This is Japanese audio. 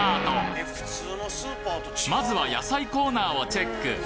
まずは野菜コーナーをチェック！